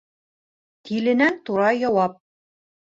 Тиленән тура яуап.